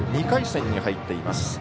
２回戦に入っています。